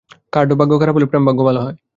কার্ড-ভাগ্য খারাপ হলে প্রেম-ভাগ্য ভালো হয়।